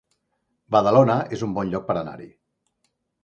Badalona es un bon lloc per anar-hi